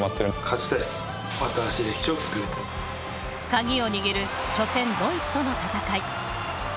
鍵を握る初戦ドイツとの戦い。